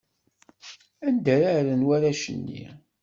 Anda ara rren warrac-nni?